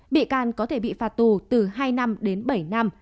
bị can có thể bị phạt tù từ hai năm đến bảy năm